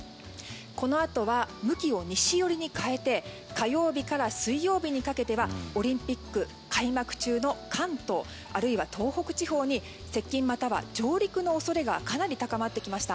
このあとは向きを西寄りに変えて火曜日から水曜日にかけてはオリンピック開幕中の関東あるいは東北地方に接近または上陸の恐れがかなり高まってきました。